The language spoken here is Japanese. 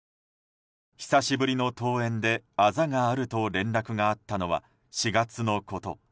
久しぶりの登園であざがあると連絡があったのは４月のこと。